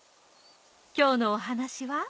今日のお話は。